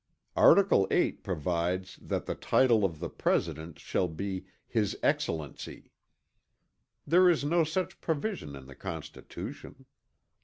Article VIII provides that the title of the President "shall be his Excellency." There is no such provision in the Constitution.